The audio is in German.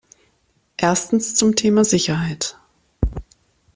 Erstens zum Thema Sicherheit.